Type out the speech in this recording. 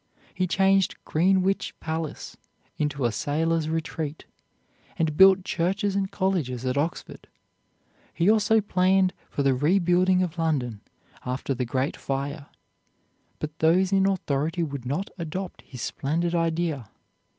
He changed Greenwich palace into a sailor's retreat, and built churches and colleges at Oxford. He also planned for the rebuilding of London after the great fire, but those in authority would not adopt his splendid idea.